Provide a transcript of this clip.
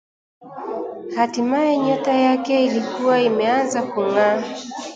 Hatimaye, nyota yake ilikuwa imeanza kung’aa